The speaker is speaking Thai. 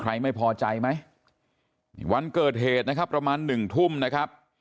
ใครไม่พอใจไหมวันเกิดเหตุนะครับประมาณหนึ่งทุ่มนะครับ